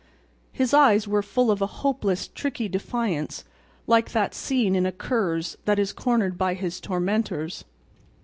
His eyes were full of a hopeless, tricky defiance like that seen in a cur's that is cornered by his tormentors.